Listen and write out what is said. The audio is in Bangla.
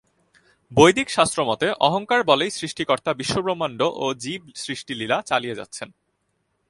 বৈদিক শাস্ত্রমতে অহংকার বলেই সৃষ্টিকর্তা বিশ্বব্রম্মান্ড ও জীব সৃষ্টিলীলা চালিয়ে যাচ্ছেন।